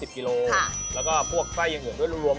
๒๐กิโลก็พวกไส้ของอย่างเหนื่อยด้วยรวม